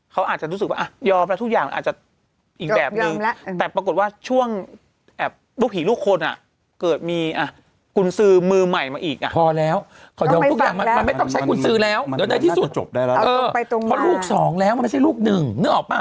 ในสมมติเขาอาจจะรู้สึกว่ายอมแล้วทุกอย่างอาจจะ